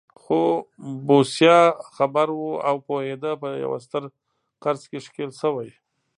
خو بوسیا خبر و او پوهېده په یوه ستر قرض کې ښکېل شوی.